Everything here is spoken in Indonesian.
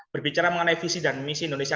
berbicara mengenai visi dan misi indonesia